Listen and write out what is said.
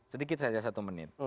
sedikit saja satu menit